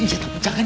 ini tak pecah kan